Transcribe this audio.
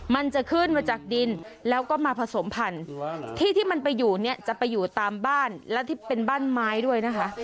มันจะขึ้นมาจากดินแล้วก็มาผสมพันธุ์ที่ที่มันไปอยู่เนี่ยจะไปอยู่ตามบ้านและที่เป็นบ้านไม้ด้วยนะคะ